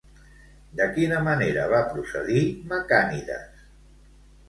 De quina manera va procedir Macànides?